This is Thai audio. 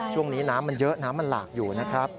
ช่วงนี้น้ำมันเยอะน้ำมันหลากอยู่นะครับ